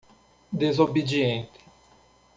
Desobediente